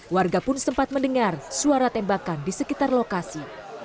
warga pun sempat mendengar suara tembakan di sekitar lokasi